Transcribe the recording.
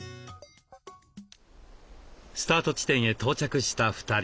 スタート地点へ到着した２人。